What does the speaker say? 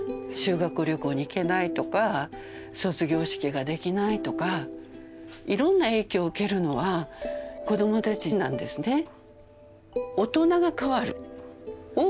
修学旅行に行けないとか卒業式ができないとかいろんな影響を受けるのは子どもたちなんですね。